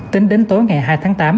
tính đến tối ngày hai tháng tám